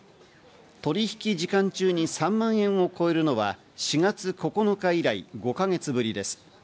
取引時間中に３万円を超えるのは４月９日以来、５か月ぶりです。